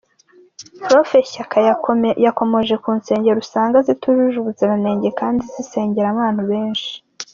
Prof Shyaka yakomoje ku nsengero usanga zitujuje ubuziranenge kandi zisengeramo abantu benshi.